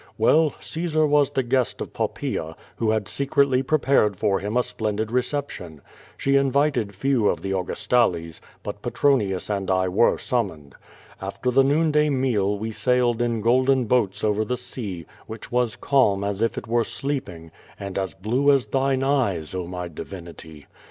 Well, Caesar was the guest of Poppaea, who had secretly prepared for him a splendid reception. She invited few of the Augustales, but Petronius and I were summoned. After the noon day meal we sailed in golden boats over the sea, which was calm as if it were sleeping, and as blue as thine eyes, oh, my divinity.